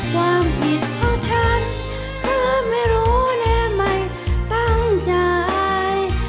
ความผิดของฉันเธอไม่รู้และไม่ตั้งใจ